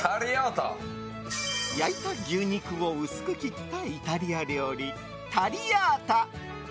焼いた牛肉を薄く切ったイタリア料理、タリアータ。